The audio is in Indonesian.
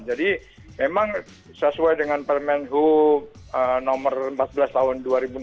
jadi memang sesuai dengan permanent hub nomor empat belas tahun dua ribu enam belas